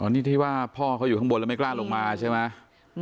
นี่ที่ว่าพ่อเขาอยู่ข้างบนแล้วไม่กล้าลงมาใช่ไหม